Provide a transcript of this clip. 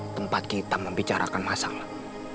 tempat kita membicarakan masalah